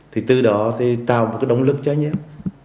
thì từ đó thì tạo một cái động lực cho anh em